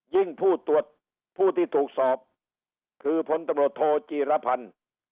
ผู้ตรวจผู้ที่ถูกสอบคือพลตำรวจโทจีรพันธ์